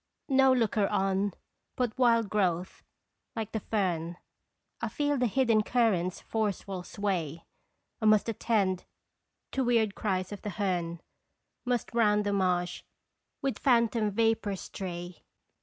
No looker on but wild growth, like the fern, I feel the hidden current's forceful sway ; I must attend to weird cries of the hern, Must round the marsh with phantom vapors stray.